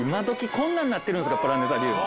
こんなになってるんですかプラネタリウム。